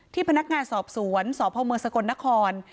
ที่พนักงานสอบสวนสอบภาวเมืองสะกดนคร